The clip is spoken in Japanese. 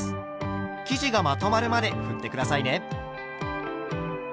生地がまとまるまでふって下さいね。